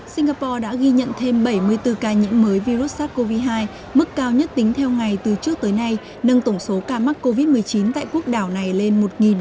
singapore đã ghi nhận thêm bảy mươi bốn ca nhiễm mới virus sars cov hai mức cao nhất tính theo ngày từ trước tới nay nâng tổng số ca mắc covid một mươi chín tại quốc đảo này lên một ca